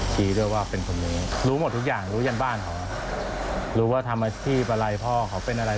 ชี้ด้วยว่าเป็นคนนี้รู้หมดทุกอย่างรู้ยันบ้านเขารู้ว่าทำอาชีพอะไรพ่อเขาเป็นอะไร